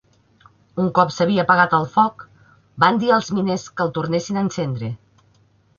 Un cop s'havia apagat el foc, van dir als miners que el tornessin a encendre.